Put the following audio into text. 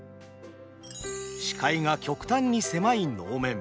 視界が極端に狭い能面。